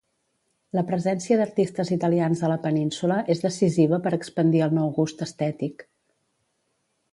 La presència d'artistes italians a la península és decisiva per expandir el nou gust estètic.